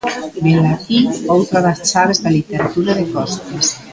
Velaquí outra das chaves da literatura de Costas.